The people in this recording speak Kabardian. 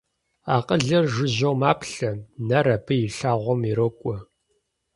Акъылыр жыжьэу маплъэ, нэр абы и лъагъуэм ирокӏуэ.